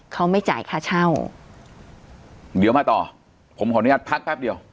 เขาไม่จ่ายค่าเช่าเดี๋ยวมาต่อผมขออนุญาตพักแป๊บเดียว